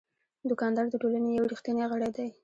دوکاندار د ټولنې یو ریښتینی غړی دی.